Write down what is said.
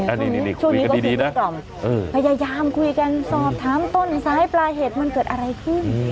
ช่วงนี้ก็เคลียร์กล่อมพยายามคุยกันสอบถามต้นท้ายปลาเหตุมันเกิดอะไรขึ้น